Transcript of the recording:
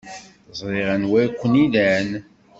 Ẓriɣ anwa ay ken-ilan.